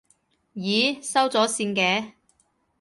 咦，收咗線嘅？